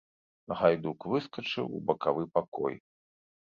Гайдук выскачыў у бакавы пакой.